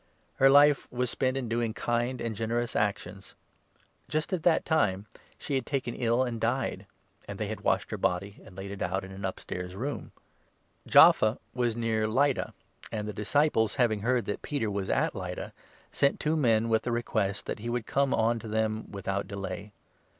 Her life was spent in doing kind and charitable actions. Just at that time she 37 was taken ill, and died ; and they had washed her body and laid it out in an upstairs room. Jaffa was near Lydda, 38 232 THE ACTS, 9 1O. and the disciples, having heard that Peter was at Lydda, sent two men with the request that he would come on to them with out delay.